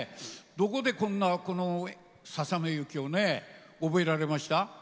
どこで、こんな「細雪」をね覚えられました？